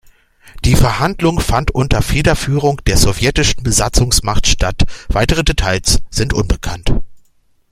Die Verhandlung fand unter Federführung der sowjetischen Besatzungsmacht statt, weitere Details sind unbekannt.